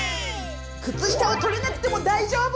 靴下をとれなくても大丈夫！